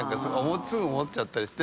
すぐ思っちゃったりして。